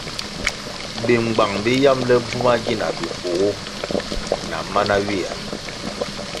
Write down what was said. Bingbang bi yamble bvuma gina bikugu na mana ywia.